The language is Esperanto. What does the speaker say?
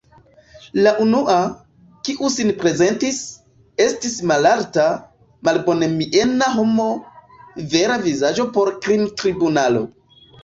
La unua, kiu sin prezentis, estis malalta, malbonmiena homo; vera vizaĝo por krimtribunalo.